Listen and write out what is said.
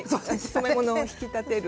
染め物を引き立てる。